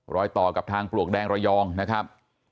รอยต่อกับทางปลวกแดงระยองนะครับ